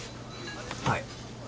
はい。